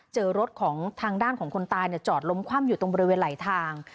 เจอรถของทางด้านของคนตายจอดล้มคว่ำอยู่ตรงบริเวณไหลทาง